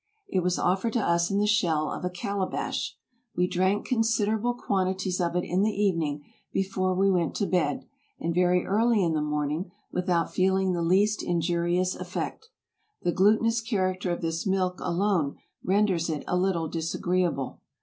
It was offered to us in the shell of a calabash. We drank con siderable quantities of it in the evening before we went to bed, and very early in the morning, without feeling the least injurious effect. The glutinous character of this milk alone renders it a little disagreeable.